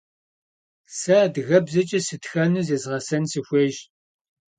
Se adıgebzeç'e sıtxenu zezğeş'en sıxuêyş.